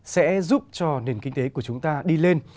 sẽ giúp cho nền kinh tế của chúng ta đi lên